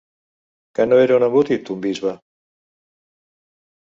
Que no era un embotit, un bisbe?